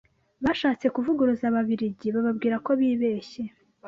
bashatse kuvuguruza Ababiligi bababwira ko bibeshye